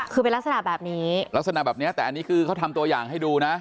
คือเป็นลักษณะแบบนี้ลักษณะแบบนี้แต่อันนี้คือเขาทำตัวอย่างให้ดูนะ